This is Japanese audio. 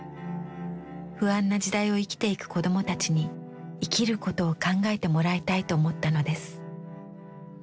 不安な時代を生きていく子供たちに生きることを考えてもらいたいと思ったのです。